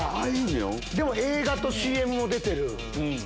でも映画とＣＭも出てる。